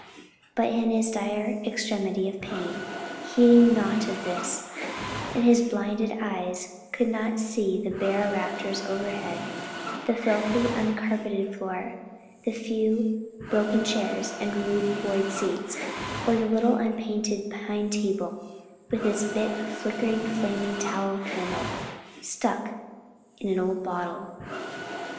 But in his dire extremity of pain he heeded naught of this, and his blinded eyes could not see the bare rafters overhead, the filthy uncarpeted floor, the few broken chairs and rude board seats, or the little unpainted pine table with its bit of flickering, flaming tallow candle, stuck in an old bottle.